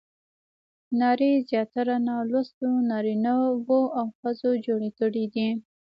نارې زیاتره نالوستو نارینه وو او ښځو جوړې کړې دي.